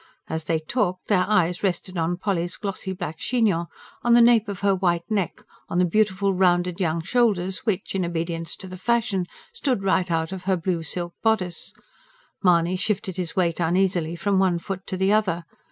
As they talked, their eyes rested on Polly's glossy black chignon; on the nape of her white neck; on the beautiful, rounded young shoulders which, in obedience to the fashion, stood right out of her blue silk bodice. Mahony shifted his weight uneasily from one foot to the other.